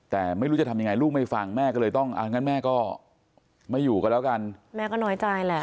แต่ไม่รู้จะทำยังไงลูกไม่ฟังแม่ก็เลยต้องอ่ะงั้นแม่ก็ไม่อยู่กันแล้วกันแม่ก็น้อยใจแหละ